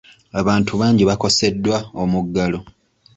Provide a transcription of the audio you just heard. Abantu bangi bakoseddwa omuggalo.